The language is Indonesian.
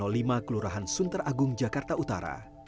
suasana rt lima belas rw lima kelurahan sunter agung jakarta utara